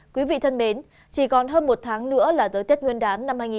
quý vị thân mến chỉ còn hơn một tháng nữa là tới tết nguyên đán năm hai nghìn hai mươi